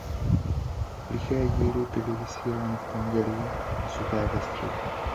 Liché díly byly vysílány v pondělí a sudé ve středu.